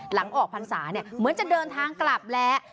หลังออกภาษาเหมือนจะเดินทางกลับและ